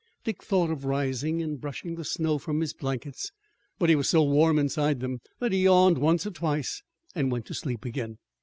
Dick thought of rising and brushing the snow from his blankets, but he was so warm inside them that he yawned once or twice and went to sleep again.